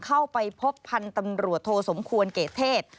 เข้าไปพบพันธุ์ตำรวจโทสมควรเกรดเทศ